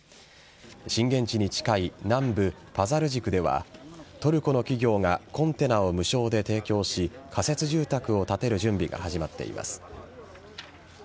震源地に近い南部・パザルジクではトルコの企業がコンテナを無償で提供し仮設住宅を建てる準備が始まっています。